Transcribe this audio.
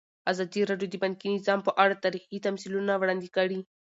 ازادي راډیو د بانکي نظام په اړه تاریخي تمثیلونه وړاندې کړي.